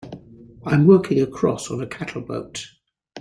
I'm working across on a cattle boat.